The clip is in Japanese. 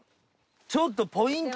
ちょっとポイント高し！